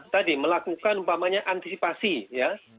tadi melakukan umpamanya antisipasi ya